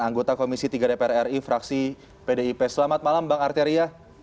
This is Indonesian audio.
anggota komisi tiga dpr ri fraksi pdip selamat malam bang arteria